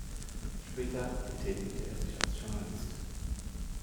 Später betätigte er sich als Journalist.